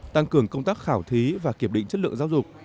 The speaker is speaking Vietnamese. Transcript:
tăng cường công tác khảo thí và kiểm định chất lượng giáo dục